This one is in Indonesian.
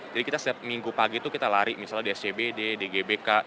jadi kita setiap minggu pagi tuh kita lari misalnya di scbd di gbk